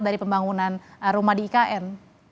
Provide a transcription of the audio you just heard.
dari pembangunan rumah di ikn